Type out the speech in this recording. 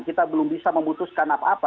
kita belum bisa memutuskan apa apa